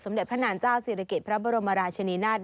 สำเด็จพระนานเจ้าศิรเกรดพระบรมราชนินทร์